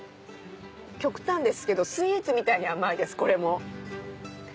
極端ですけどスイーツみたいに甘いですこれも。